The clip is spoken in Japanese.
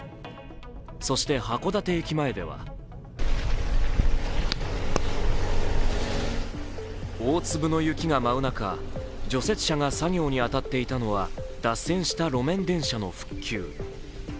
そして函館駅前では大粒の雪が舞う中除雪車が作業に当たっていたのは脱線した路面電車の復旧。